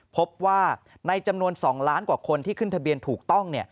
พบว่าในจำนวน๒ล้านกว่าคนที่ขึ้นทะเบียนถูกต้อง